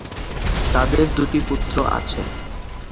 তাদের দুটি পুত্র আছে।